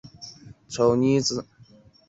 经过兰斯白房站的所有列车均经过兰斯站。